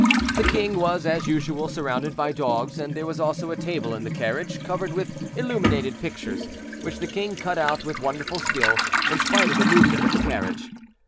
The king was, as usual, surrounded by dogs, and there was also a table in the carriage, covered with illuminated pictures, which the king cut out with wonderful skill, in spite of the movement of the carriage.